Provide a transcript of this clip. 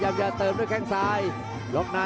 โอ้โหไม่พลาดกับธนาคมโด้แดงเขาสร้างแบบนี้